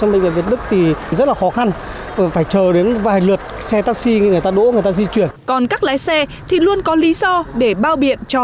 bệnh viện còn các lái xe thì luôn có lý do để bao biện cho